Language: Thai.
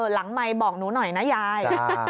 หลังไมบอกหนูหน่อยนะยาย